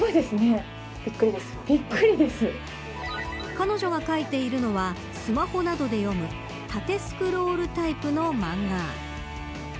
彼女が描いているのはスマホなどで読む縦スクロールタイプの漫画。